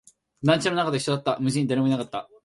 団地の中と一緒だった、無人、誰もいなかった